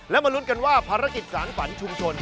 และมาลุ้นกันว่าภารกิจสารฝันชุมชน